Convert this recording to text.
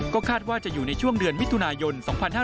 ก็คาดว่าจะอยู่ในช่วงเดือนมิถุนายน๒๕๕๙